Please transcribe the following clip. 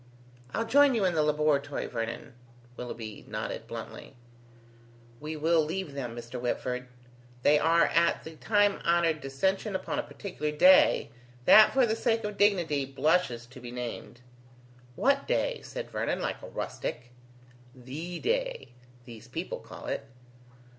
"I'll join you in the laboratory, Vernon," Willoughby nodded bluntly. "We will leave them, Mr. Whitford. They are at the time honoured dissension upon a particular day, that, for the sake of dignity, blushes to be named." "What day?" said Vernon, like a rustic. "THE day, these people call it."